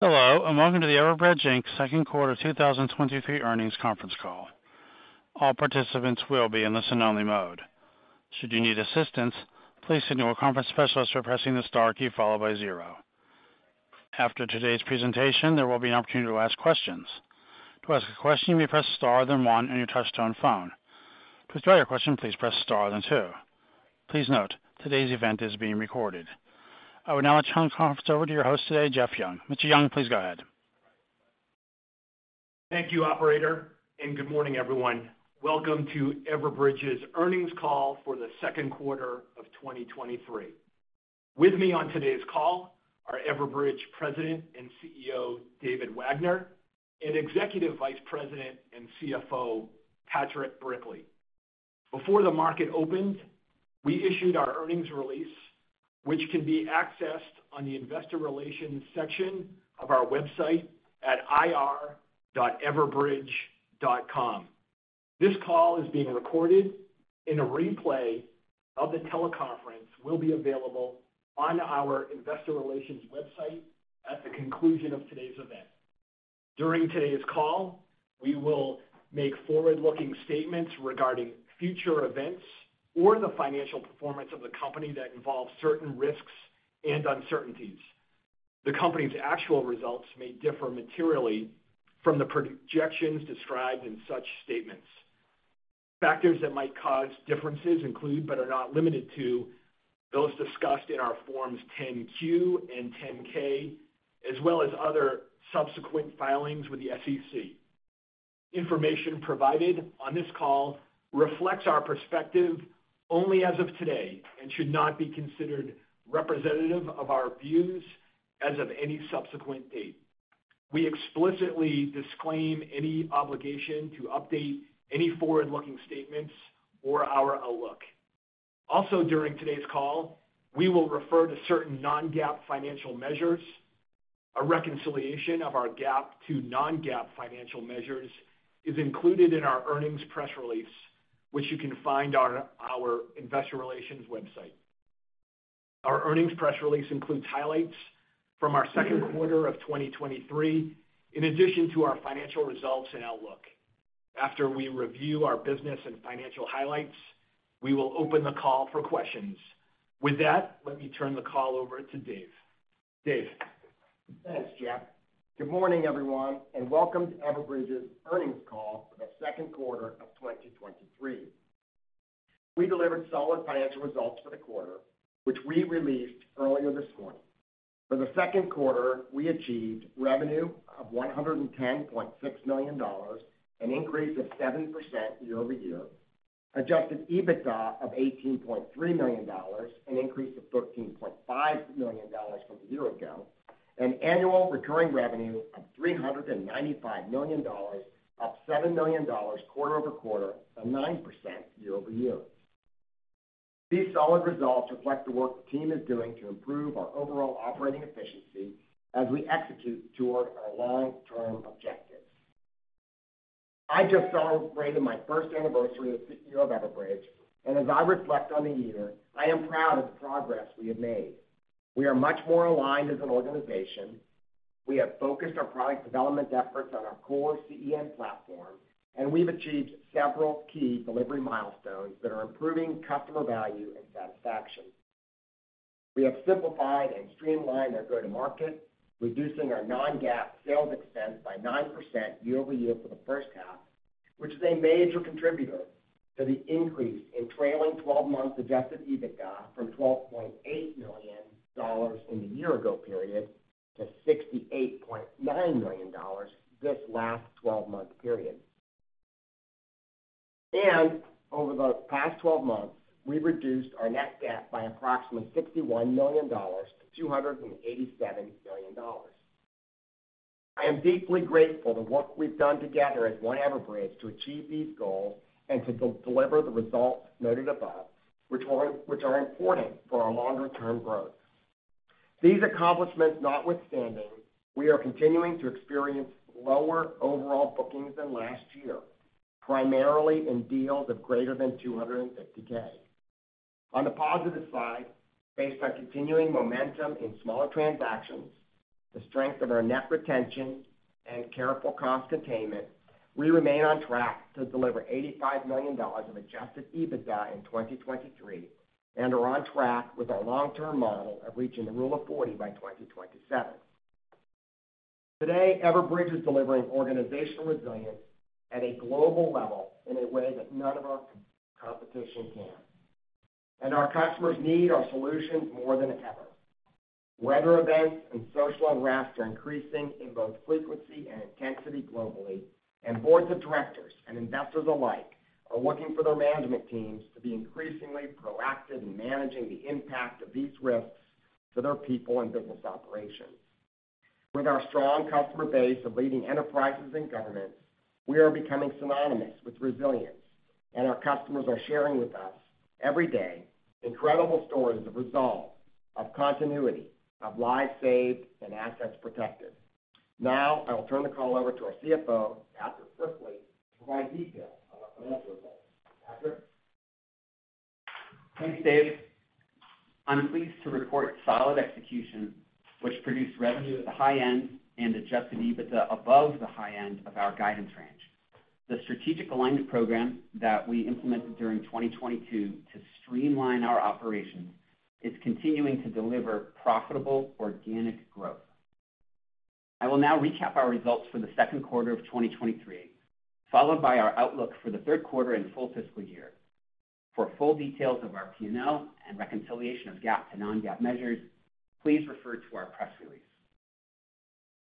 Hello, and welcome to the Everbridge Inc.'s second quarter 2023 earnings conference call. All participants will be in listen only mode. Should you need assistance, please signal a conference specialist by pressing the star key followed by 0. After today's presentation, there will be an opportunity to ask questions. To ask a question, you may press star, then 1 on your touchtone phone. To withdraw your question, please press star, then 2. Please note, today's event is being recorded. I would now like to turn the conference over to your host today, Jeff Young. Mr. Young, please go ahead. Thank you, operator. Good morning, everyone. Welcome to Everbridge's earnings call for the second quarter of 2023. With me on today's call are Everbridge President and CEO, David Wagner, and Executive Vice President and CFO, Patrick Brickley. Before the market opened, we issued our earnings release, which can be accessed on the investor relations section of our website at ir.everbridge.com. This call is being recorded, and a replay of the teleconference will be available on our investor relations website at the conclusion of today's event. During today's call, we will make forward-looking statements regarding future events or the financial performance of the company that involve certain risks and uncertainties. The company's actual results may differ materially from the projections described in such statements. Factors that might cause differences include, but are not limited to, those discussed in our forms 10-Q and 10-K, as well as other subsequent filings with the SEC. Information provided on this call reflects our perspective only as of today and should not be considered representative of our views as of any subsequent date. We explicitly disclaim any obligation to update any forward-looking statements or our outlook. During today's call, we will refer to certain non-GAAP financial measures. A reconciliation of our GAAP to non-GAAP financial measures is included in our earnings press release, which you can find on our investor relations website. Our earnings press release includes highlights from our second quarter of 2023, in addition to our financial results and outlook. After we review our business and financial highlights, we will open the call for questions. With that, let me turn the call over to Dave. Dave? Thanks, Jeff. Good morning, everyone, and welcome to Everbridge's earnings call for the second quarter of 2023. We delivered solid financial results for the quarter, which we released earlier this morning. For the second quarter, we achieved revenue of $110.6 million, an increase of 7% year-over-year, adjusted EBITDA of $18.3 million, an increase of $13.5 million from a year ago, and annual recurring revenue of $395 million, up $7 million quarter-over-quarter, and 9% year-over-year. These solid results reflect the work the team is doing to improve our overall operating efficiency as we execute toward our long-term objectives. I just celebrated my first anniversary of sitting here at Everbridge, and as I reflect on the year, I am proud of the progress we have made. We are much more aligned as an organization. We have focused our product development efforts on our core CEM platform, and we've achieved several key delivery milestones that are improving customer value and satisfaction. We have simplified and streamlined our go-to-market, reducing our non-GAAP sales expense by 9% year-over-year for the first half, which is a major contributor to the increase in trailing twelve-month Adjusted EBITDA from $12.8 million in the year ago period to $68.9 million this last twelve-month period. Over the past twelve months, we've reduced our net debt by approximately $61 million to $287 million. I am deeply grateful the work we've done together as One Everbridge to achieve these goals and to deliver the results noted above, which are important for our longer-term growth. These accomplishments notwithstanding, we are continuing to experience lower overall bookings than last year, primarily in deals of greater than 250K. On the positive side, based on continuing momentum in smaller transactions, the strength of our net retention, and careful cost containment, we remain on track to deliver $85 million of Adjusted EBITDA in 2023 and are on track with our long-term model of reaching the Rule of 40 by 2027. Today, Everbridge is delivering organizational resilience at a global level in a way that none of our competition can. Our customers need our solutions more than ever. Weather events and social unrest are increasing in both frequency and intensity globally, and boards of directors and investors alike are looking for their management teams to be increasingly proactive in managing the impact of these risks for their people and business operations. With our strong customer base of leading enterprises and governments, we are becoming synonymous with resilience, and our customers are sharing with us every day incredible stories of resolve, of continuity, of lives saved, and assets protected. Now, I will turn the call over to our CFO, Patrick Brickley, to provide details on our financial results. Patrick? Thanks, Dave. I'm pleased to report solid execution, which produced revenue at the high end and adjusted EBITDA above the high end of our guidance range. The strategic alignment program that we implemented during 2022 to streamline our operations is continuing to deliver profitable organic growth. I will now recap our results for the second quarter of 2023, followed by our outlook for the third quarter and full fiscal year. For full details of our P&L and reconciliation of GAAP to non-GAAP measures, please refer to our press release.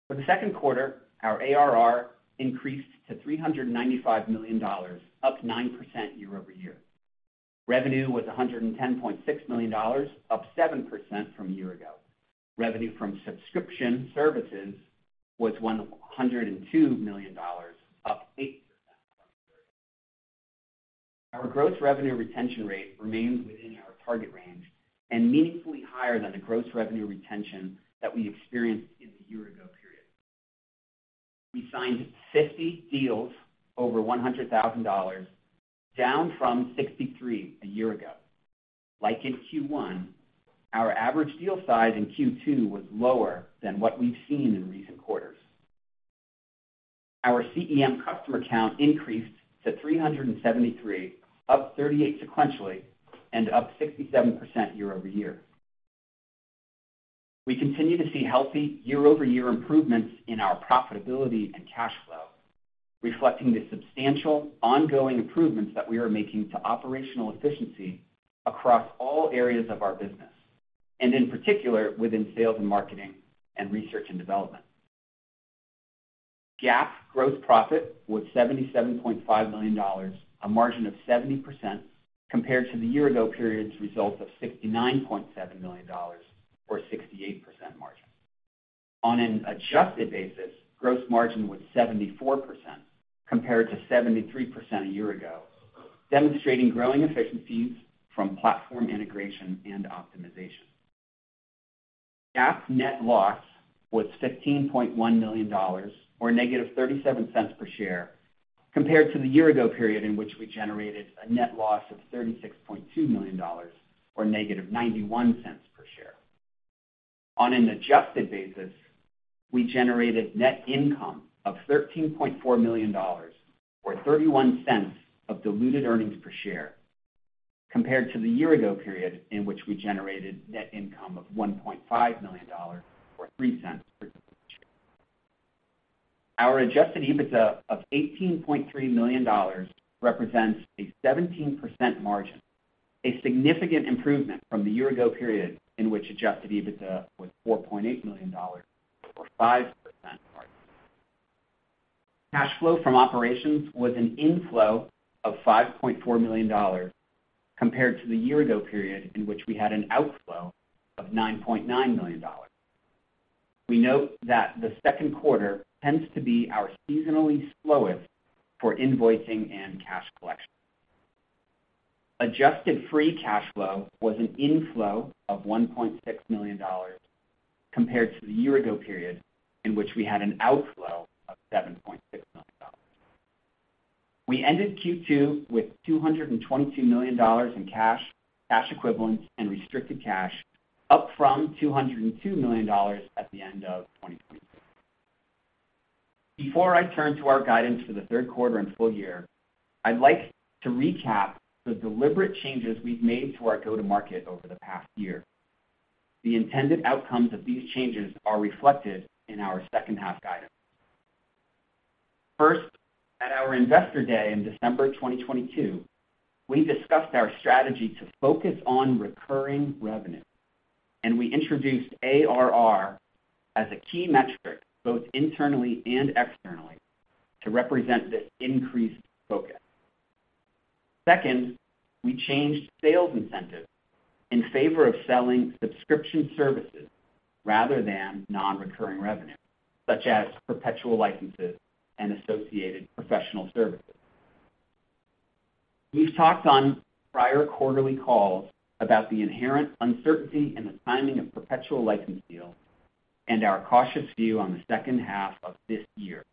For the second quarter, our ARR increased to $395 million, up 9% year-over-year. Revenue was $110.6 million, up 7% from a year ago. Revenue from subscription services was $102 million, up 8%. Our gross revenue retention rate remains within our target range and meaningfully higher than the gross revenue retention that we experienced in the year ago period. We signed 50 deals over $100,000, down from 63 a year ago. Like in Q1, our average deal size in Q2 was lower than what we've seen in recent quarters. Our CEM customer count increased to 373, up 38 sequentially and up 67% year-over-year. We continue to see healthy year-over-year improvements in our profitability and cash flow, reflecting the substantial ongoing improvements that we are making to operational efficiency across all areas of our business, and in particular, within sales and marketing, and research and development. GAAP gross profit was $77.5 million, a margin of 70% compared to the year ago period's result of $69.7 million, or 68% margin. On an adjusted basis, gross margin was 74%, compared to 73% a year ago, demonstrating growing efficiencies from platform integration and optimization. GAAP net loss was $15.1 million, or negative $0.37 per share, compared to the year ago period in which we generated a net loss of $36.2 million, or negative $0.91 per share. On an adjusted basis, we generated net income of $13.4 million, or $0.31 of diluted earnings per share, compared to the year ago period in which we generated net income of $1.5 million, or $0.03 per share. Our adjusted EBITDA of $18.3 million represents a 17% margin, a significant improvement from the year ago period in which adjusted EBITDA was $4.8 million, or 5% margin. Cash flow from operations was an inflow of $5.4 million, compared to the year ago period in which we had an outflow of $9.9 million. We note that the second quarter tends to be our seasonally slowest for invoicing and cash collection. Adjusted free cash flow was an inflow of $1.6 million, compared to the year ago period in which we had an outflow of $7.6 million. We ended Q2 with $222 million in cash, cash equivalents, and restricted cash, up from $202 million at the end of 2022. Before I turn to our guidance for the third quarter and full year, I'd like to recap the deliberate changes we've made to our go-to-market over the past year. The intended outcomes of these changes are reflected in our second half guidance. First, at our Investor Day in December 2022, we discussed our strategy to focus on recurring revenue, and we introduced ARR as a key metric, both internally and externally, to represent this increased focus. Second, we changed sales incentives in favor of selling subscription services rather than non-recurring revenue, such as perpetual licenses and associated professional services. We've talked on prior quarterly calls about the inherent uncertainty in the timing of perpetual license deals and our cautious view on the second half of this year.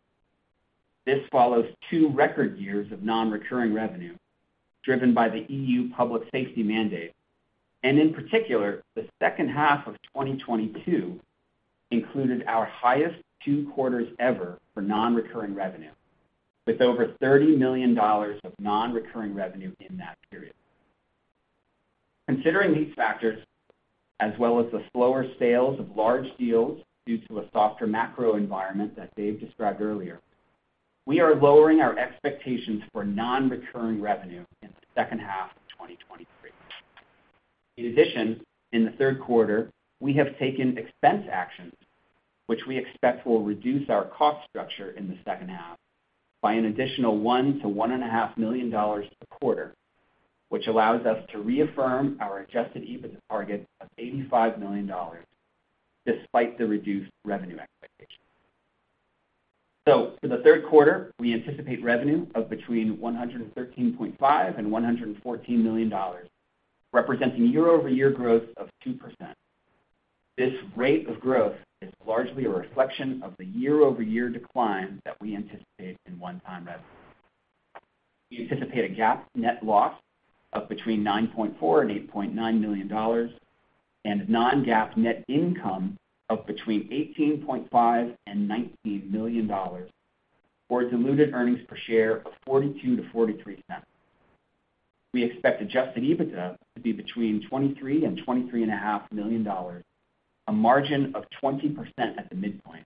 This follows two record years of non-recurring revenue, driven by the EU public safety mandate, and in particular, the second half of 2022 included our highest two quarters ever for non-recurring revenue, with over $30 million of non-recurring revenue in that period. Considering these factors, as well as the slower sales of large deals due to a softer macro environment that David described earlier, we are lowering our expectations for non-recurring revenue in the second half of 2023. In addition, in the third quarter, we have taken expense actions, which we expect will reduce our cost structure in the second half by an additional $1 million-$1.5 million a quarter, which allows us to reaffirm our adjusted EBITDA target of $85 million despite the reduced revenue expectations. For the third quarter, we anticipate revenue of between $113.5 million and $114 million, representing year-over-year growth of 2%. This rate of growth is largely a reflection of the year-over-year decline that we anticipate in one-time revenue. We anticipate a GAAP net loss of between $9.4 million and $8.9 million, and non-GAAP net income of between $18.5 million and $19 million, or diluted earnings per share of $0.42 to $0.43. We expect Adjusted EBITDA to be between $23 million and $23.5 million, a margin of 20% at the midpoint,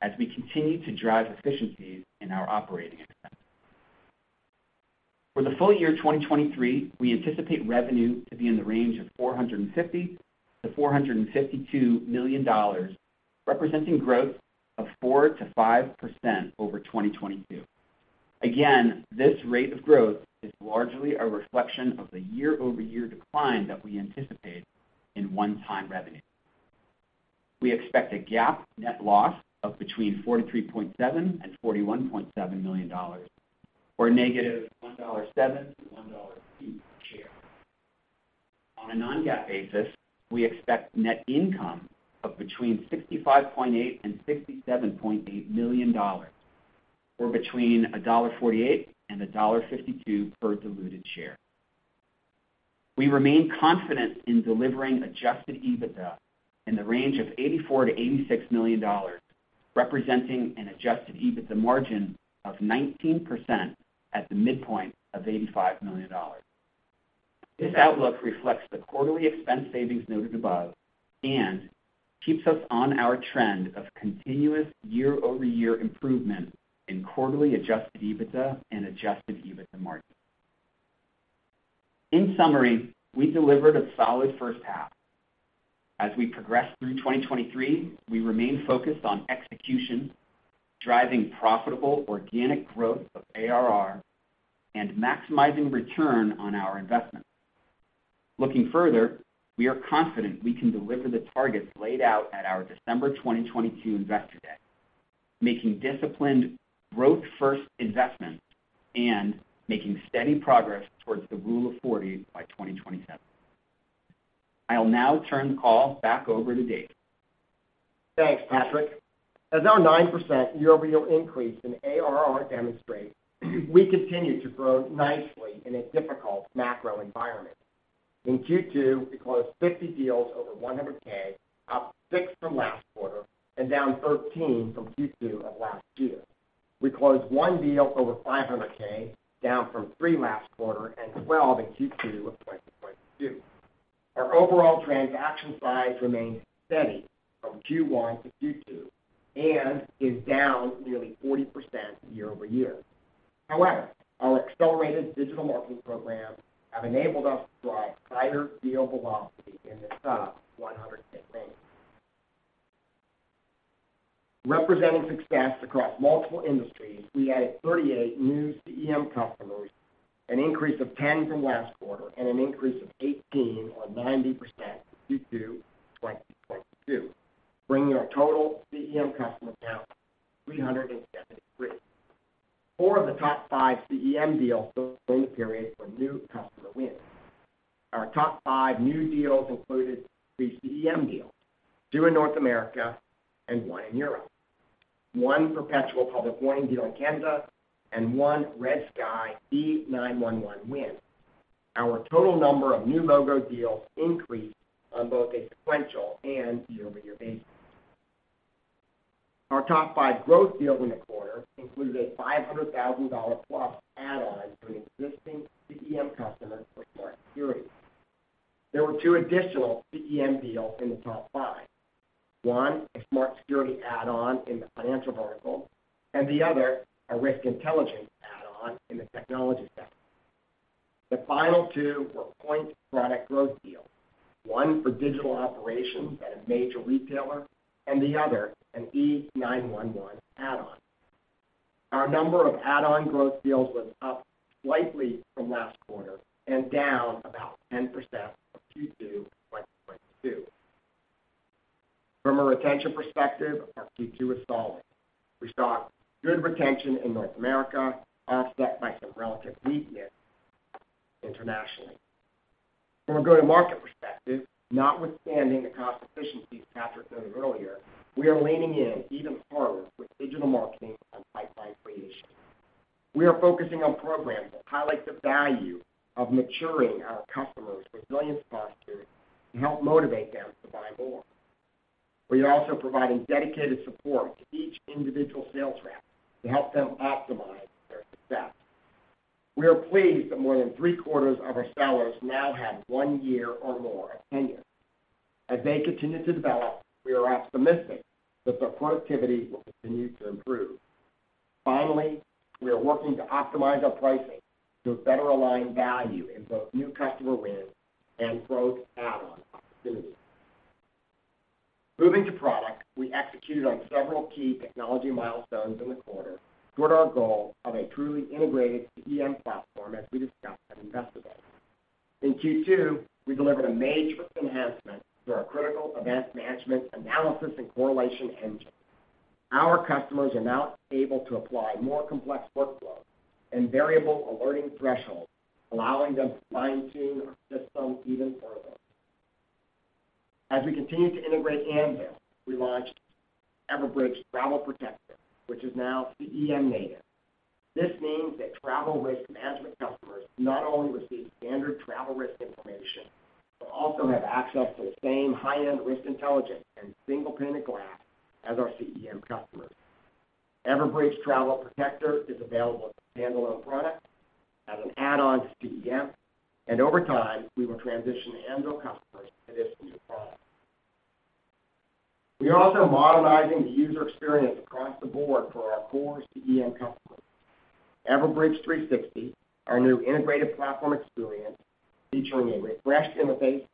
as we continue to drive efficiencies in our operating expenses. For the full year 2023, we anticipate revenue to be in the range of $450 million-$452 million, representing growth of 4%-5% over 2022. This rate of growth is largely a reflection of the year-over-year decline that we anticipate in one-time revenue. We expect a GAAP net loss of between $43.7 million and $41.7 million, or negative $1.07 to $1.00 per share. On a non-GAAP basis, we expect net income of between $65.8 million and $67.8 million, or between $1.48 and $1.52 per diluted share. We remain confident in delivering adjusted EBITDA in the range of $84 million to $86 million, representing an adjusted EBITDA margin of 19% at the midpoint of $85 million. This outlook reflects the quarterly expense savings noted above and keeps us on our trend of continuous year-over-year improvement in quarterly adjusted EBITDA and adjusted EBITDA margin. In summary, we delivered a solid first half. As we progress through 2023, we remain focused on execution, driving profitable organic growth of ARR and maximizing return on our investment. Looking further, we are confident we can deliver the targets laid out at our December 2022 Investor Day, making disciplined growth first investments, and making steady progress towards the Rule of 40 by 2027. I'll now turn the call back over to Dave. Thanks, Patrick. As our 9% year-over-year increase in ARR demonstrates, we continue to grow nicely in a difficult macro environment. In Q2, we closed 50 deals over $100K, up 6 from last quarter and down 13 from Q2 of last year. We closed 1 deal over $500K, down from 3 last quarter and 12 in Q2 of 2022. Our overall transaction size remained steady from Q1 to Q2, is down nearly 40% year-over-year. However, our accelerated digital marketing programs have enabled us to drive higher deal velocity in the sub $100K range. Representing success across multiple industries, we added 38 new CEM customers, an increase of 10 from last quarter, and an increase of 18 or 90% in Q2 2022, bringing our total CEM customer count to 373. 4 of the top 5 CEM deals during the period were new customer wins. Our top 5 new deals included 3 CEM deals, 2 in North America and 1 in Europe, 1 perpetual public warning deal in Canada, and 1 RedSky E911 win. Our total number of new logo deals increased on both a sequential and year-over-year basis. Our top 5 growth deals in the quarter included a $500,000 plus add-on from an existing CEM customer for Smart Security. There were 2 additional CEM deals in the top 5. 1, a Smart Security add-on in the financial vertical, and the other, a Risk Intelligence add-on in the technology sector. The final 2 were point product growth deals, 1 for Digital Operations at a major retailer, and the other an E911 add-on. Our number of add-on growth deals was up slightly from last quarter, down about 10% from Q2 2022. From a retention perspective, our Q2 was solid. We saw good retention in North America, offset by some relative weakness internationally. From a go-to-market perspective, notwithstanding the cost efficiencies Patrick noted earlier, we are leaning in even further with digital marketing and pipeline creation. We are focusing on programs that highlight the value of maturing our customers' resilience posture to help motivate them to buy more. We are also providing dedicated support to each individual sales rep to help them optimize their success. We are pleased that more than three-quarters of our sellers now have one year or more of tenure. As they continue to develop, we are optimistic that their productivity will continue to improve. Finally, we are working to optimize our pricing to better align value in both new customer wins and growth add-on opportunities. Moving to product, we executed on several key technology milestones in the quarter toward our goal of a truly integrated CEM platform, as we discussed at Investor Day. In Q2, we delivered a major enhancement to our critical event management, analysis, and correlation engine. Our customers are now able to apply more complex workflows and variable alerting thresholds, allowing them to fine-tune our system even further. As we continue to integrate Anvil, we launched Everbridge Travel Protector, which is now CEM native. This means that travel risk management customers not only receive standard travel risk information, but also have access to the same high-end Risk Intelligence and single pane of glass as our CEM customers. Everbridge Travel Protector is available as a standalone product, as an add-on to CEM, and over time, we will transition Anvil customers to this new product. We are also modernizing the user experience across the board for our core CEM customers. Everbridge 360, our new integrated platform experience, featuring a refreshed interface,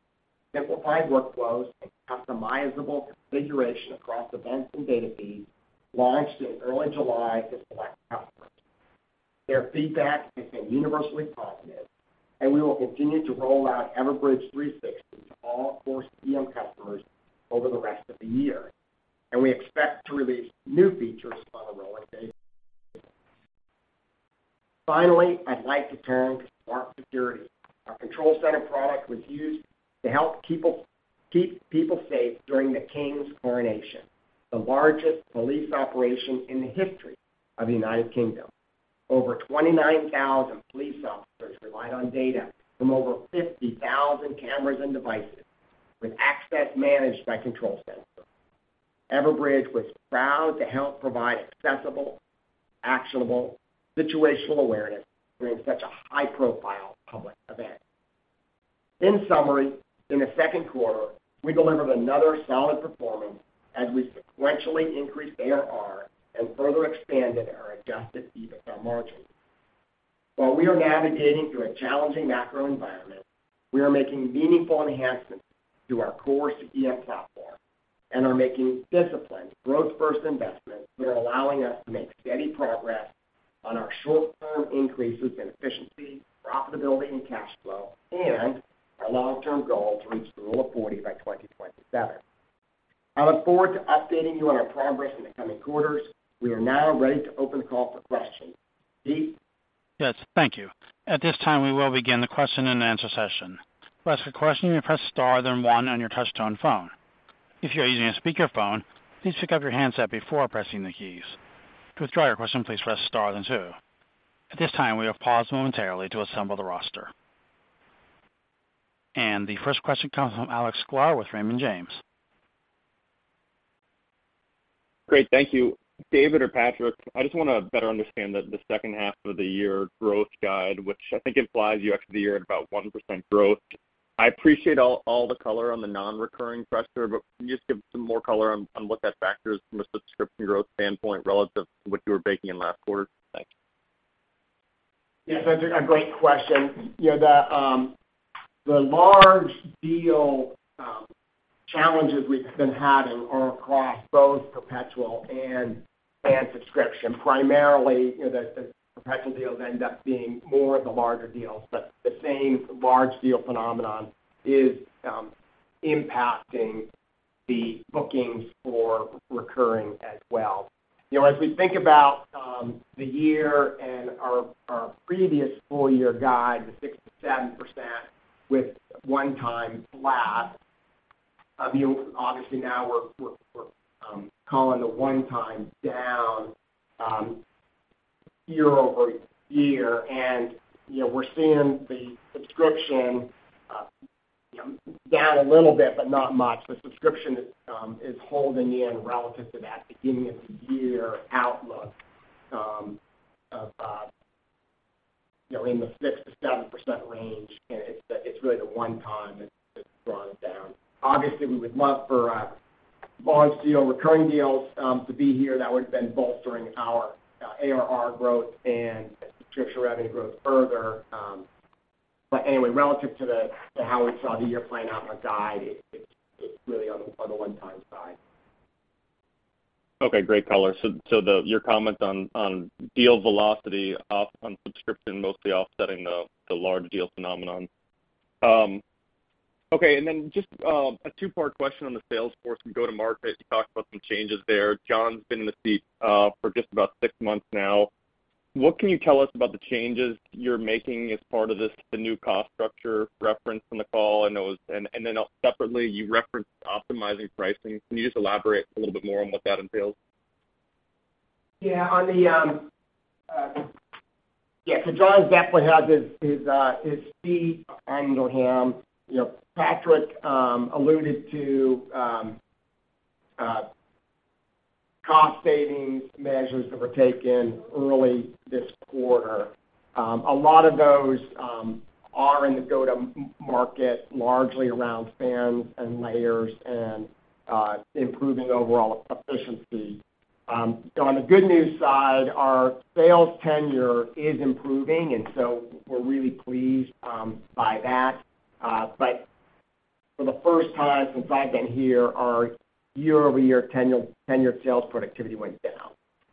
simplified workflows, and customizable configuration across events and data feeds, launched in early July to select customers. Their feedback has been universally positive, and we will continue to roll out Everbridge 360 to all core CEM customers over the rest of the year, and we expect to release new features on a rolling basis. Finally, I'd like to turn to Smart Security. Our Control Center product was used to help keep people safe during the King's Coronation, the largest police operation in the history of the United Kingdom. Over 29,000 police officers relied on data from over 50,000 cameras and devices, with access managed by Control Center. Everbridge was proud to help provide accessible, actionable, situational awareness during such a high-profile public event. In summary, in the 2Q, we delivered another solid performance as we sequentially increased ARR and further expanded our adjusted EBITDA margin. While we are navigating through a challenging macro environment, we are making meaningful enhancements to our core CEM platform and are making disciplined growth-first investments that are allowing us to make steady progress on our short-term increases in efficiency, profitability, and cash flow, and our long-term goal to reach the Rule of 40 by 2027. I look forward to updating you on our progress in the coming quarters. We are now ready to open the call for questions. Steve? Yes, thank you. At this time, we will begin the question-and-answer session. To ask a question, you press star, then one on your touchtone phone. If you are using a speakerphone, please pick up your handset before pressing the keys. To withdraw your question, please press star then two. At this time, we have paused momentarily to assemble the roster. The first question comes from Alex Sklar with Raymond James. Great, thank you. David or Patrick, I just want to better understand the, the second half of the year growth guide, which I think implies you exit the year at about 1% growth. I appreciate all, all the color on the non-recurring pressure, but can you just give some more color on, on what that factors from a subscription growth standpoint relative to what you were baking in last quarter? Thanks. Yes, that's a great question. You know, the, the large deal challenges we've been having are across both perpetual and, and subscription. Primarily, you know, the, the perpetual deals end up being more of the larger deals, but the same large deal phenomenon is impacting the bookings for recurring as well. You know, as we think about the year and our, our previous full year guide, the 6%-7% with one time flat, you know, obviously now we're, we're, we're calling the one time down year-over-year, and, you know, we're seeing the subscription, you know, down a little bit, but not much. The subscription is, is holding in relative to that beginning of the year outlook, of, you know, in the 6%-7% range, and it's really the one time that's drawn it down. Obviously, we would love for our large deal, recurring deals, to be here. That would have been bolstering our ARR growth and subscription revenue growth further. Anyway, relative to the to how we saw the year playing out and our guide, it's really on the one-time side. Okay, great color. Your comment on, on deal velocity off on subscription, mostly offsetting the, the large deal phenomenon. Just a two-part question on the sales force and go-to-market. You talked about some changes there. John's been in the seat for just about 6 months now. What can you tell us about the changes you're making as part of this, the new cost structure referenced on the call? Those, and, and then separately, you referenced optimizing pricing. Can you just elaborate a little bit more on what that entails? Yeah, on the. Yeah, John definitely has his, his, his feet under him. You know, Patrick alluded to cost savings measures that were taken early this quarter. A lot of those are in the go-to-market, largely around spans and layers and improving overall efficiency. On the good news side, our sales tenure is improving, we're really pleased by that. For the first time since I've been here, our year-over-year tenure sales productivity went down.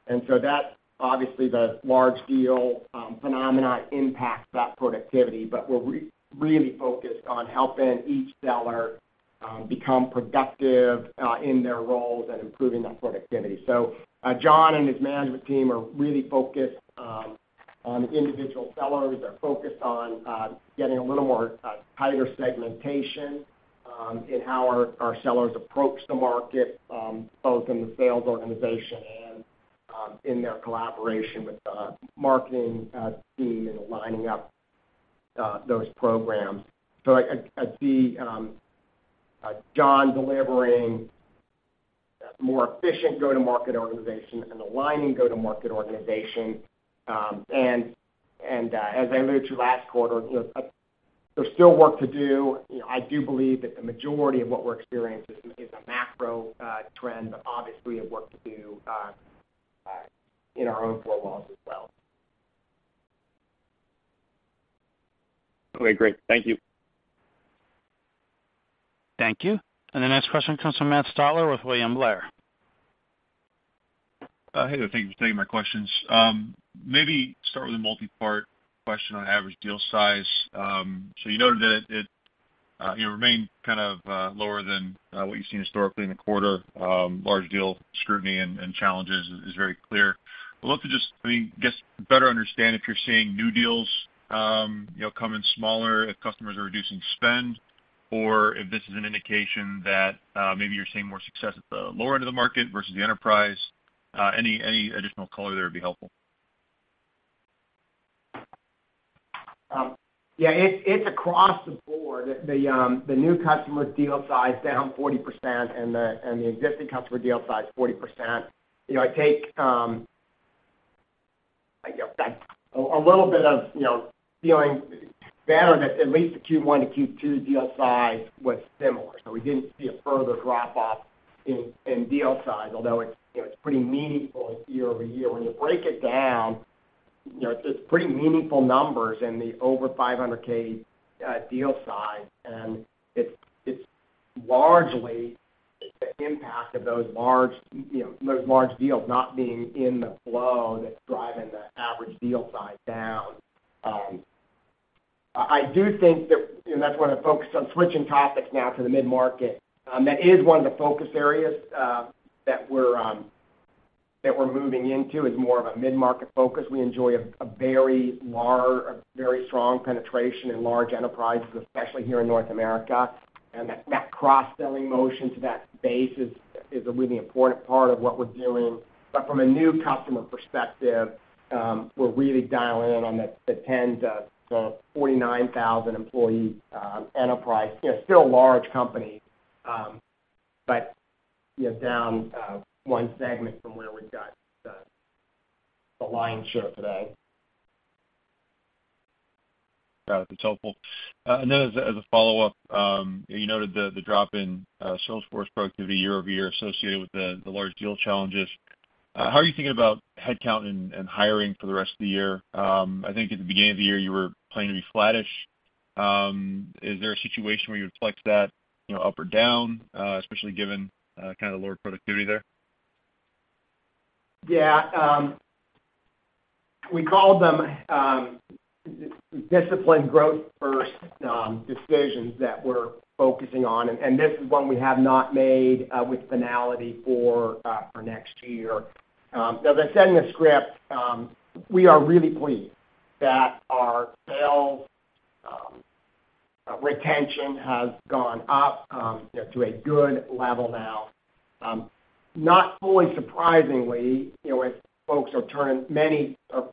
That's obviously, the large deal phenomena impacts that productivity, but we're really focused on helping each seller become productive in their roles and improving that productivity. John and his management team are really focused on individual sellers. They're focused on getting a little more tighter segmentation in how our, our sellers approach the market, both in the sales organization and in their collaboration with the marketing team and aligning up those programs. I, I, I'd see John delivering a more efficient go-to-market organization and aligning go-to-market organization. As I alluded to last quarter, you know, there's still work to do. You know, I do believe that the majority of what we're experiencing is, is a macro trend, but obviously, we have work to do in our own four walls as well. Okay, great. Thank you. Thank you. The next question comes from Matt Stotler with William Blair. Hey there, thank you for taking my questions. Maybe start with a multipart question on average deal size. So you noted that it, you know, remained kind of, lower than, what you've seen historically in the quarter. Large deal scrutiny and, and challenges is, is very clear. I'd love to just, I mean, just better understand if you're seeing new deals, you know, come in smaller, if customers are reducing spend, or if this is an indication that, maybe you're seeing more success at the lower end of the market versus the enterprise. Any, any additional color there would be helpful. Yeah, it's, it's across the board. The, the new customer deal size down 40%, and the, and the existing customer deal size, 40%. You know, I take, I get back a little bit of, you know, feeling better that at least the Q1 to Q2 deal size was similar. We didn't see a further drop off in, in deal size, although it's, you know, it's pretty meaningful year over year. When you break it down, you know, it's pretty meaningful numbers in the over $500K deal size, and it's, it's largely the impact of those large, you know, those large deals not being in the flow that's driving the average deal size down. I, I do think that, you know, that's one of the focus... switching topics now to the mid-market. That is one of the focus areas that we're, that we're moving into, is more of a mid-market focus. We enjoy a, a very large, a very strong penetration in large enterprises, especially here in North America. That, that cross-selling motion to that base is, is a really important part of what we're doing. From a new customer perspective, we're really dial in on the 10 to 49,000 employee enterprise. You know, still a large company, but, you know, down one segment from where we've got the, the lion's share today. Got it. That's helpful. As, as a follow-up, you noted the drop in sales force productivity year-over-year associated with the large deal challenges. How are you thinking about headcount and hiring for the rest of the year? I think at the beginning of the year, you were planning to be flattish. Is there a situation where you would flex that, you know, up or down, especially given kind of the lower productivity there? Yeah, we called them disciplined growth first decisions that we're focusing on, and this is one we have not made with finality for next year. As I said in the script, we are really pleased that our sales retention has gone up, you know, to a good level now. Not fully surprisingly, you know, as folks are turning- many are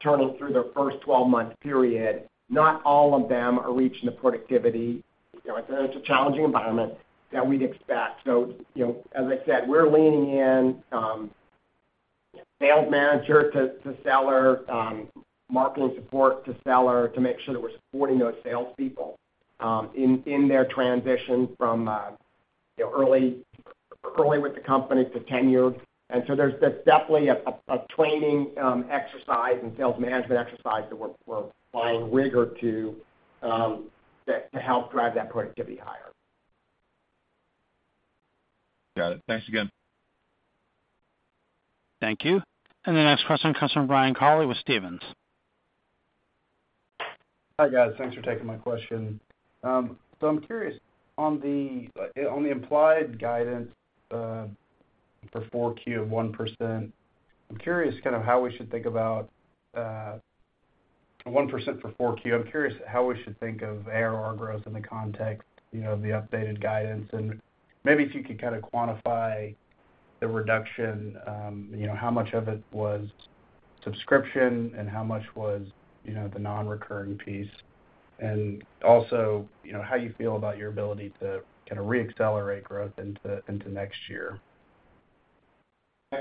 turning through their first 12-month period, not all of them are reaching the productivity. You know, it's a challenging environment that we'd expect. You know, as I said, we're leaning in, sales manager to, to seller, marketing support to seller, to make sure that we're supporting those salespeople in their transition from, you know, early, early with the company to tenured. There's definitely a, a, a training exercise and sales management exercise that we're, we're applying rigor to, to, to help drive that productivity higher. Got it. Thanks again. Thank you. The next question comes from Brian Colley with Stephens. Hi, guys. Thanks for taking my question. I'm curious, on the, on the implied guidance, for 4Q of 1%, I'm curious kind of how we should think about 1% for 4Q? I'm curious how we should think of ARR growth in the context, you know, of the updated guidance, and maybe if you could kind of quantify the reduction, you know, how much of it was subscription and how much was, you know, the non-recurring piece? Also, you know, how you feel about your ability to kind of reaccelerate growth into, into next year?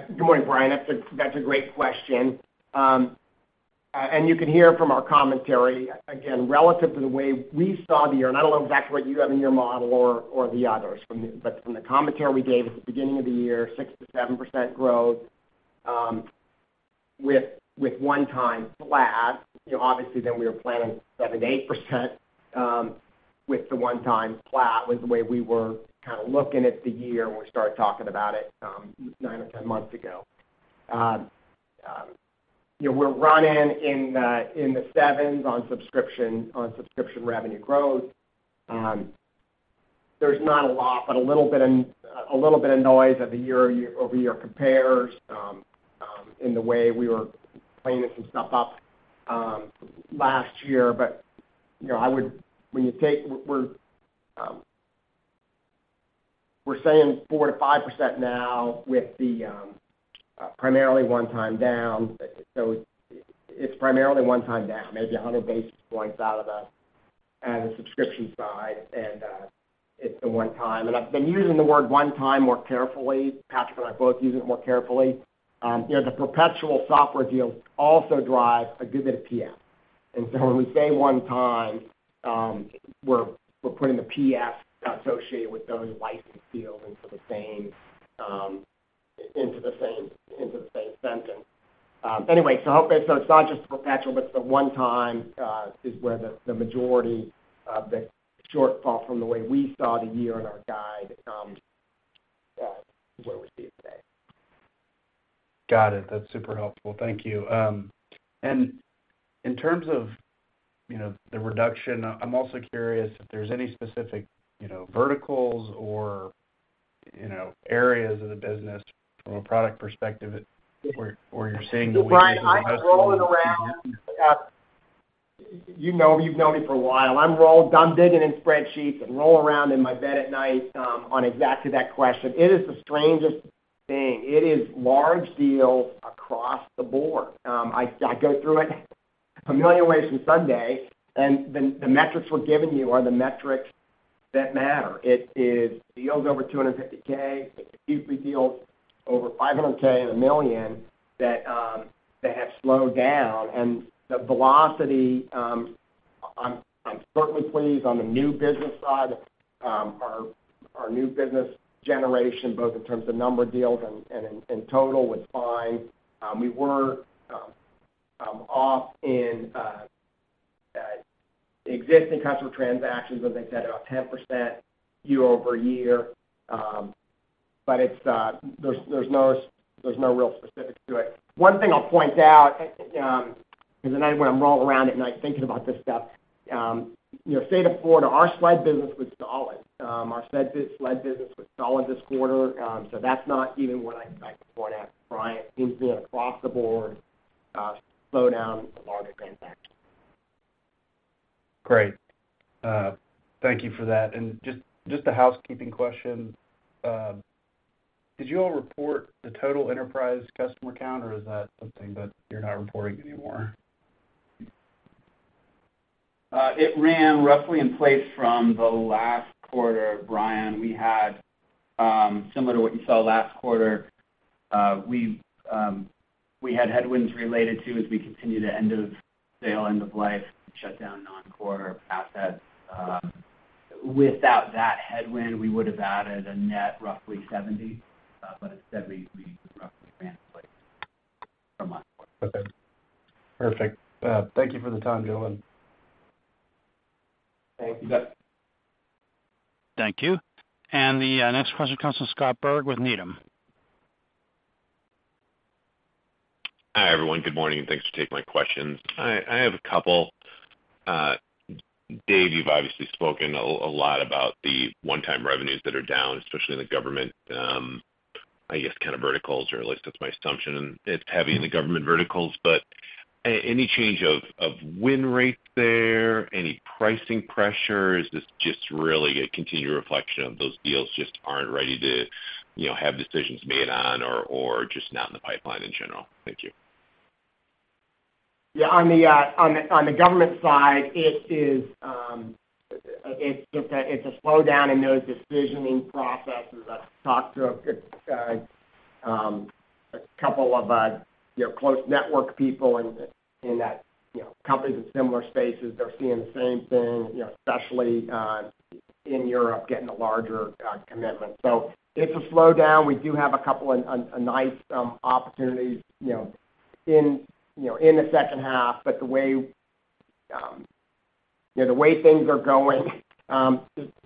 Good morning, Brian. That's a great question. You can hear from our commentary, again, relative to the way we saw the year, I don't know exactly what you have in your model or, or the others but from the commentary we gave at the beginning of the year, 6%-7% growth with one-time flat, you know, obviously, then we were planning 7%-8% with the one-time flat, was the way we were kind of looking at the year when we started talking about it 9 or 10 months ago. You know, we're running in the 7s on subscription revenue growth. There's not a lot, but a little bit in, a little bit of noise of the year-over-year compares in the way we were cleaning some stuff up last year. You know, we're saying 4%-5% now with the primarily one time down. It's primarily one time down, maybe 100 basis points out of the subscription side, and it's the one time. I've been using the word one time more carefully. Patrick and I both use it more carefully. You know, the perpetual software deals also drive a good bit of PF. When we say one time, we're putting the PF associated with those licensed deals into the same sentence. Anyway, I hope that so it's not just perpetual, but the one time, is where the, the majority of the shortfall from the way we saw the year in our guide, to where we see it today. Got it. That's super helpful. Thank you. In terms of, you know, the reduction, I'm also curious if there's any specific, you know, verticals or, you know, areas of the business from a product perspective where, where you're seeing. Brian, I'm rolling around. You know, you've known me for a while. I'm rolled- I'm digging in spreadsheets and rolling around in my bed at night, on exactly that question. It is the strangest thing. It is large deals across the board. I, I go through it a million ways from Sunday, and the, the metrics we're giving you are the metrics that matter. It is deals over $250K, deals over $500K and $1 million, that have slowed down. The velocity, I'm, I'm certainly pleased on the new business side. Our, our new business generation, both in terms of number of deals and, and in, in total, was fine. We were off in existing customer transactions, as I said, about 10% year-over-year. It's, there's, there's no, there's no real specifics to it. One thing I'll point out, because, again, when I'm rolling around at night thinking about this stuff, state of Florida, our SLED business was solid. Our SLED, SLED business was solid this quarter. That's not even what I, I point at, Brian. It's been across the board, slowdown in the larger transactions. Great. Thank you for that. Just, just a housekeeping question: did you all report the total enterprise customer count, or is that something that you're not reporting anymore? It ran roughly in place from the last quarter, Brian. We had, similar to what you saw last quarter, we had headwinds related to as we continue to end of sale, end of life, shut down non-core assets. Without that headwind, we would have added a net, roughly 70. Instead, we, we roughly ran in place from last quarter. Okay. Perfect. Thank you for the time, gentlemen. Thank you. Thank you. The next question comes from Scott Berg with Needham. Hi, everyone, good morning, and thanks for taking my questions. I have a couple. Dave, you've obviously spoken a lot about the one-time revenues that are down, especially in the government, I guess, kind of verticals, or at least that's my assumption, and it's heavy in the government verticals. Any change of win rates there? Any pricing pressures? Is this just really a continued reflection of those deals just aren't ready to, you know, have decisions made on or just not in the pipeline in general? Thank you. Yeah, on the, on the, on the government side, it is, it's just it's a slowdown in those decisioning processes. I've talked to a couple of, you know, close network people in that, you know, companies in similar spaces. They're seeing the same thing, you know, especially in Europe, getting the larger commitments. It's a slowdown. We do have a couple, a nice opportunities, you know, in the second half. The way, you know, the way things are going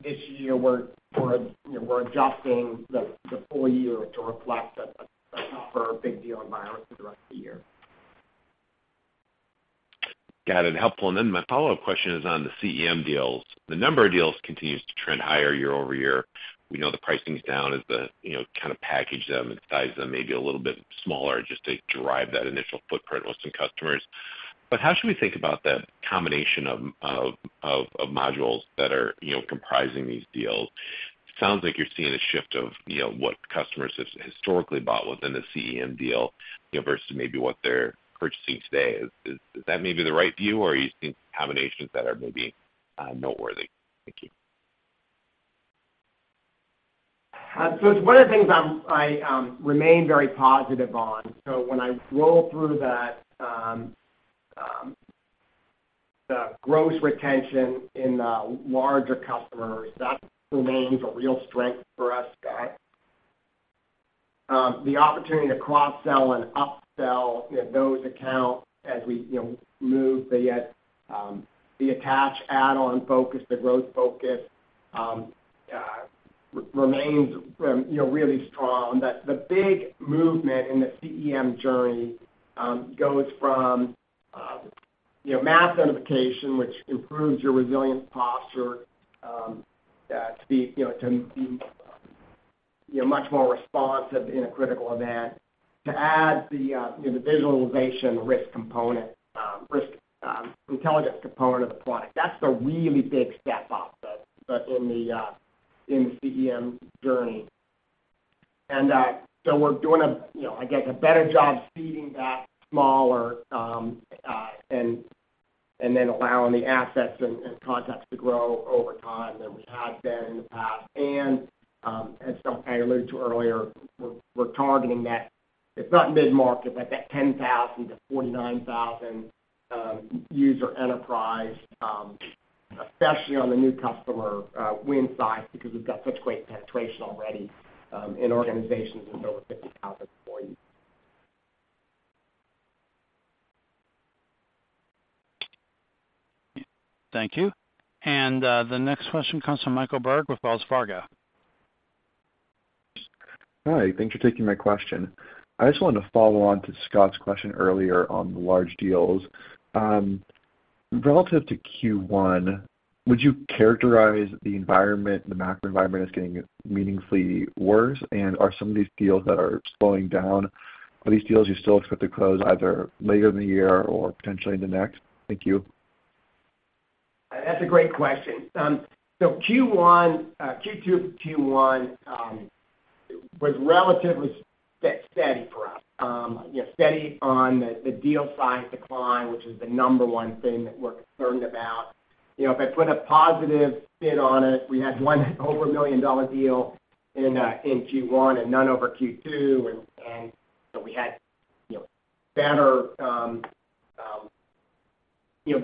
this year, we're, you know, we're adjusting the full year to reflect a tougher big deal environment for the rest of the year. Got it. Helpful. Then my follow-up question is on the CEM deals. The number of deals continues to trend higher year-over-year. We know the pricing's down as the, you know, kind of package them and size them maybe a little bit smaller just to drive that initial footprint with some customers. How should we think about the combination of modules that are, you know, comprising these deals? It sounds like you're seeing a shift of, you know, what customers have historically bought within a CEM deal, you know, versus maybe what they're purchasing today. Is that maybe the right view, or are you seeing combinations that are maybe noteworthy? Thank you. It's one of the things I'm, I, remain very positive on. When I roll through that, gross retention in the larger customers, that remains a real strength for us, Scott. The opportunity to cross-sell and upsell those accounts as we, you know, move the, the attach add-on focus, the growth focus, re-remains, you know, really strong. That the big movement in the CEM journey, goes from, you know, Mass Notification, which improves your resilience posture, to be, you know, to be, you know, much more responsive in a critical event, to add the, you know, the visualization risk component, Risk Intelligence component of the product. That's the really big step up, though, but in the CEM journey. So we're doing a, you know, I guess, a better job feeding that smaller, and then allowing the assets and contacts to grow over time than we had been in the past. As I alluded to earlier, we're, we're targeting that. It's not mid-market, but that 10,000-49,000 user enterprise, especially on the new customer win size, because we've got such great penetration already in organizations with over 50,000 employees. Thank you. The next question comes from Michael Burke with Wells Fargo. Hi, thanks for taking my question. I just wanted to follow on to Scott's question earlier on the large deals. Relative to Q1, would you characterize the environment, the macro environment, as getting meaningfully worse? Are some of these deals that are slowing down, are these deals you still expect to close either later in the year or potentially in the next? Thank you. That's a great question. So Q1, Q2 to Q1, was relatively steady for us. You know, steady on the deal size decline, which is the number one thing that we're concerned about. You know, if I put a positive spin on it, we had 1 over a $1 million deal in Q1 and none over Q2. So we had, you know, better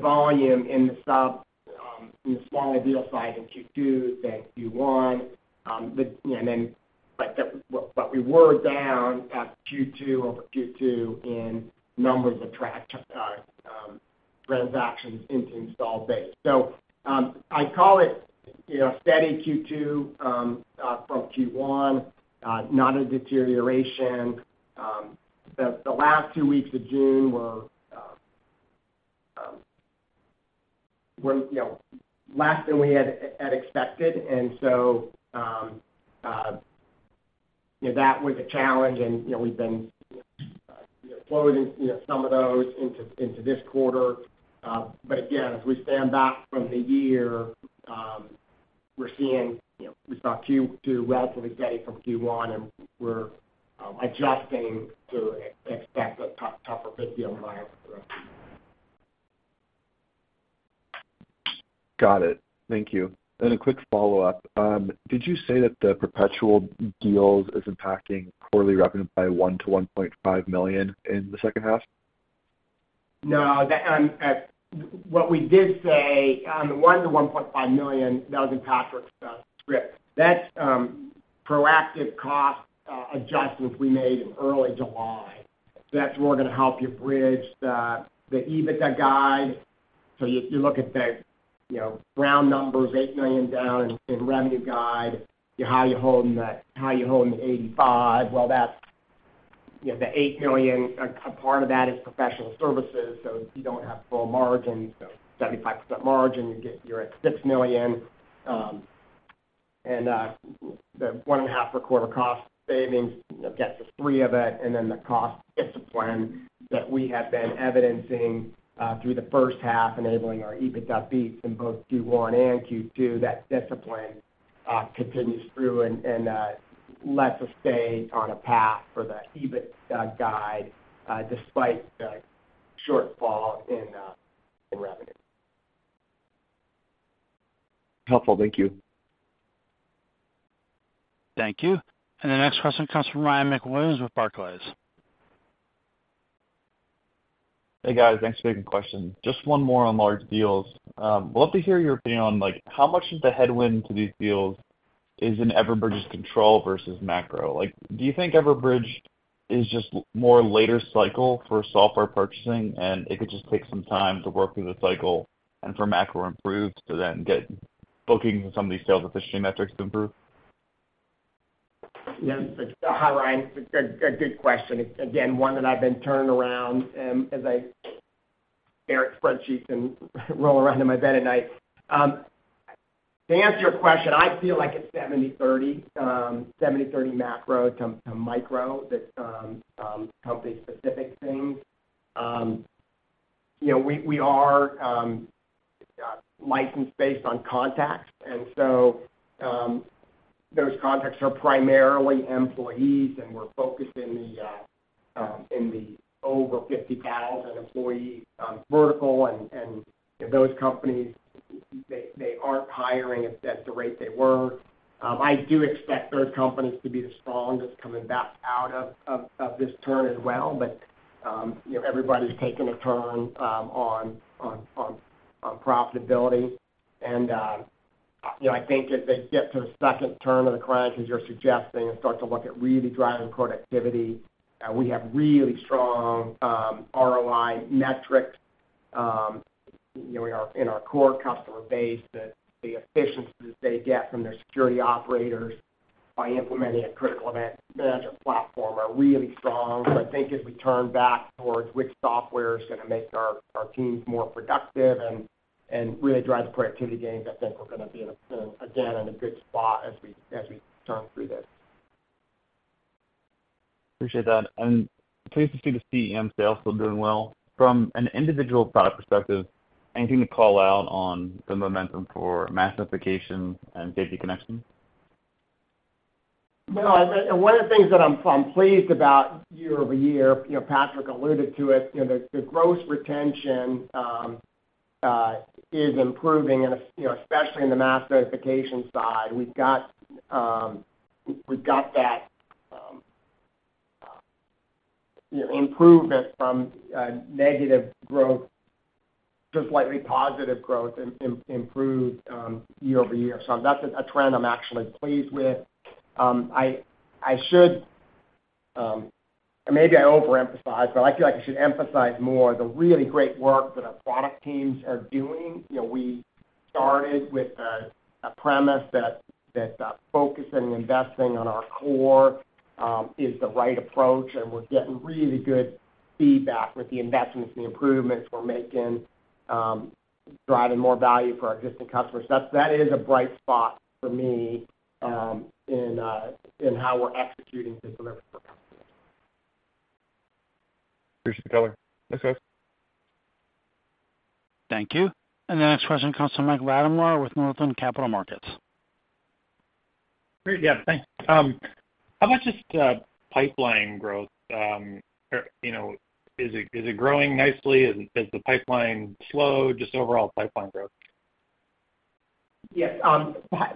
volume in the sub in the smaller deal size in Q2 than Q1. We were down at Q2 over Q2 in numbers of tract transactions into installed base. I'd call it, you know, a steady Q2, from Q1, not a deterioration. The last two weeks of June were, you know, less than we had expected. So, that was a challenge, and, you know, we've been, you know, flowing, you know, some of those into this quarter. Again, as we stand back from the year, we're seeing, you know, we saw Q2 relatively steady from Q1, and we're adjusting to expect a tougher big deal environment. Got it. Thank you. A quick follow-up. Did you say that the perpetual deals is impacting quarterly revenue by $1 million-$1.5 million in the second half? No, that, what we did say, the $1 million-$1.5 million, that was in Patrick's script. That's proactive cost adjustments we made in early July. That's more going to help you bridge the EBITDA guide. So you look at the, you know, round numbers, $8 million down in revenue guide, you're holding the 85. Well, that's, you know, the $8 million, a part of that is professional services, so you don't have full margin. So 75% margin, you get, you're at $6 million. The 1.5 per quarter cost savings, you know, gets us 3 of it, and then the cost discipline that we have been evidencing through the first half, enabling our EBITDA beats in both Q1 and Q2, that discipline continues through and lets us stay on a path for the EBITDA guide despite the shortfall in revenue. Helpful. Thank you. Thank you. The next question comes from Ryan MacWilliams with Barclays. Hey, guys. Thanks for taking the question. Just one more on large deals. Love to hear your opinion on, like, how much of the headwind to these deals is in Everbridge's control versus macro? Like, do you think Everbridge is just more later cycle for software purchasing, and it could just take some time to work through the cycle and for macro improves to then get bookings and some of these sales efficiency metrics to improve? Yes. Hi, Ryan MacWilliams. Good, good question. Again, one that I've been turning around as I stare at spreadsheets and roll around in my bed at night. To answer your question, I feel like it's 70/30. 70/30 macro to, to micro, the company-specific things. You know, we, we are license-based on contacts, and so those contacts are primarily employees, and we're focused in the in the over 50,000 employee vertical. And those companies they aren't hiring at, at the rate they were. I do expect third companies to be the strongest coming back out of this turn as well. You know, everybody's taking a turn on profitability. You know, I think as they get to the second turn of the crisis, you're suggesting, and start to look at really driving productivity, we have really strong ROI metrics. You know, we are in our core customer base, that the efficiencies they get from their security operators by implementing a Critical Event Management platform are really strong. I think as we turn back towards which software is gonna make our, our teams more productive and, and really drive the productivity gains, I think we're gonna be in a, again, in a good spot as we, as we turn through this. Appreciate that. Pleased to see the CEM sales still doing well. From an individual product perspective, anything to call out on the momentum for Mass Notification and Safety Connection? No, I, one of the things that I'm, I'm pleased about year over year, you know, Patrick alluded to it, you know, the gross retention is improving and, you know, especially in the Mass Notification side. We've got, we've got that, you know, improvement from negative growth to slightly positive growth, improved year over year. That's a, a trend I'm actually pleased with. I, I should, and maybe I overemphasized, but I feel like I should emphasize more the really great work that our product teams are doing. You know, we started with a, a premise that, that focusing and investing on our core is the right approach, and we're getting really good feedback with the investments and the improvements we're making, driving more value for our existing customers. That's, that is a bright spot for me, in, in how we're executing to deliver for customers. Appreciate the color. Thanks, guys. Thank you. The next question comes from Mike Latimore with Northland Capital Markets. Great. Yeah, thanks. How about just pipeline growth? You know, is it growing nicely? Has the pipeline slowed? Just overall pipeline growth? Yes.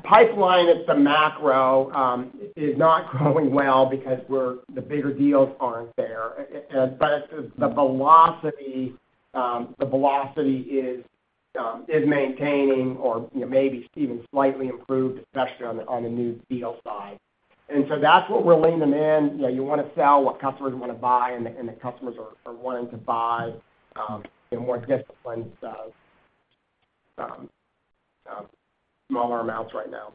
Pipeline at the macro is not growing well because the bigger deals aren't there. The, the velocity, the velocity is maintaining or, you know, maybe even slightly improved, especially on the, on the new deal side. That's what we're leaning in. You know, you wanna sell what customers wanna buy, and the, and the customers are, are wanting to buy in more disciplined, smaller amounts right now.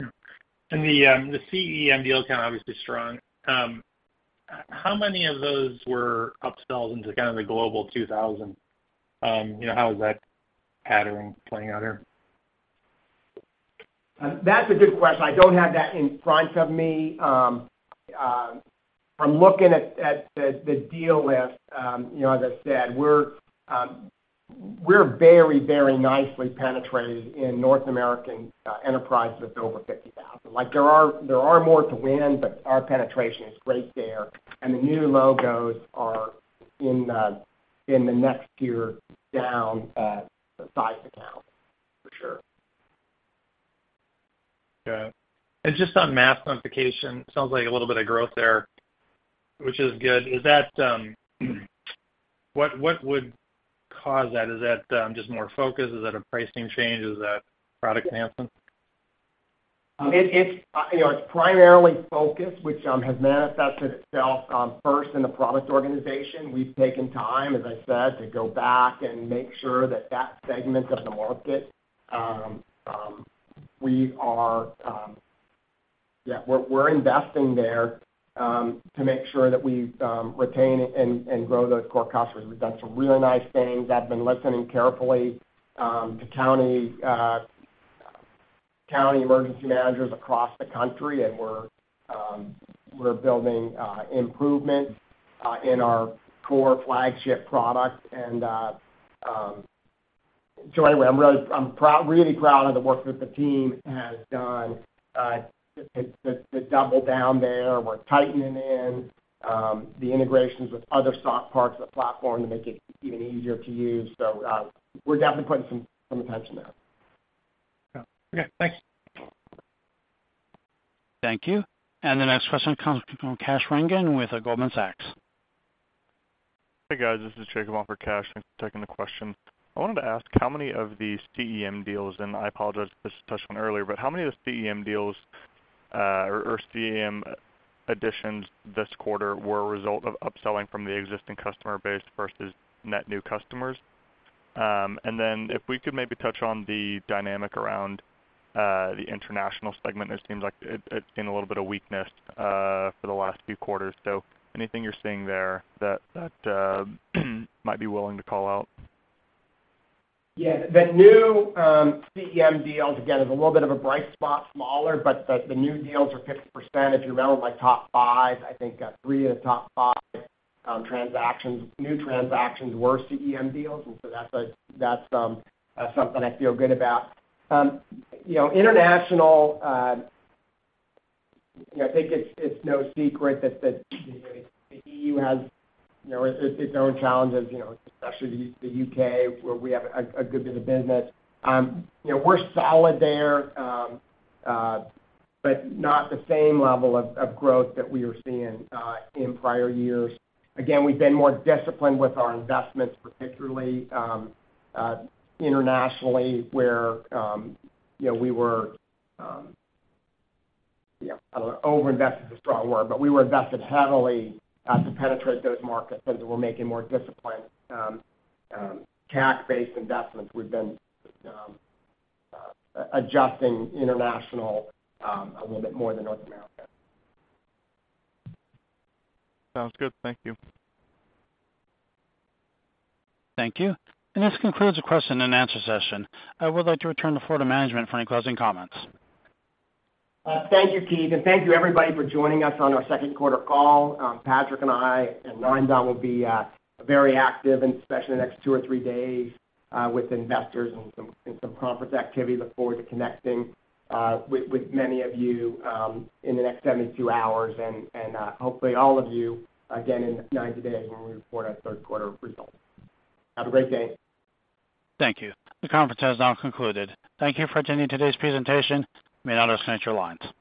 Yeah. And the, the CEM deal count obviously strong. How many of those were upsells into kind of the global 2,000? You know, how is that pattern playing out there? That's a good question. I don't have that in front of me. I'm looking at, at the, the deal list. You know, as I said, we're very, very nicely penetrated in North American enterprises with over 50,000. Like, there are, there are more to win, but our penetration is great there, and the new logos are in the, in the next tier down size account, for sure. Okay. just on Mass Notification, sounds like a little bit of growth there, which is good. Is that, what, what would cause that? Is that, just more focus? Is that a pricing change? Is that product enhancement? It, it's, you know, it's primarily focus, which has manifested itself, first in the product organization. We've taken time, as I said, to go back and make sure that that segment of the market, we are, yeah, we're investing there, to make sure that we retain and grow those core customers. We've done some really nice things. I've been listening carefully to county, county emergency managers across the country, and we're building improvement in our core flagship product. So anyway, I'm really-- I'm proud, really proud of the work that the team has done to, to, to double down there. We're tightening in the integrations with other soft parts of the platform to make it even easier to use. We're definitely putting some, some attention there. Yeah. Okay, thanks. Thank you. The next question comes from Kash Rangan with Goldman Sachs. Hey, guys, this is Jacob on for Kash. Thanks for taking the question. I wanted to ask, how many of these CEM deals, and I apologize if this was touched on earlier, but how many of the CEM deals, or, or CEM additions this quarter were a result of upselling from the existing customer base versus net new customers? If we could maybe touch on the dynamic around the international segment, it seems like it, it's been a little bit of weakness for the last few quarters. Anything you're seeing there that, that might be willing to call out? Yeah. The new CEM deals, again, is a little bit of a bright spot, smaller, but the new deals are 50%. If you round, like, top 5, I think 3 of the top 5 transactions, new transactions were CEM deals. So that's a, that's something I feel good about. You know, international, you know, I think it's no secret that the EU has, you know, its own challenges, you know, especially the UK, where we have a good bit of business. You know, we're solid there, but not the same level of growth that we were seeing in prior years. Again, we've been more disciplined with our investments, particularly, internationally, where, you know, we were, you know, overinvest is a strong word, but we were invested heavily to penetrate those markets, and we're making more disciplined, CAC-based investments. We've been adjusting international a little bit more than North America. Sounds good. Thank you. Thank you. This concludes the question and answer session. I would like to return the floor to management for any closing comments. Thank you, Keith, and thank you, everybody, for joining us on our second quarter call. Patrick and I and Nandan will be very active, and especially the next two or three days, with investors and some, and some conference activity. Look forward to connecting with, with many of you in the next 72 hours, and, and, hopefully, all of you again in 90 days when we report our third quarter results. Have a great day. Thank you. The conference has now concluded. Thank you for attending today's presentation. You may now disconnect your lines.